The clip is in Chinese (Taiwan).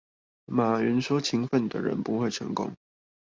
馬雲說勤奮的人不會成功